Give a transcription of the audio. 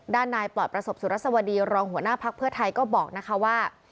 ด้านนายปลอดประสบสุรสวดีรองหัวหน้าภักดิ์เพื่อไทยก็บอกนะคะว่า